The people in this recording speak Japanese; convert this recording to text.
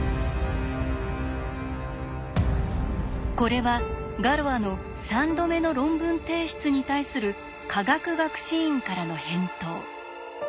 これはガロアの３度目の論文提出に対する科学学士院からの返答。